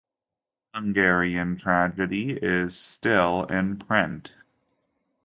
"Hungarian Tragedy" is still in print.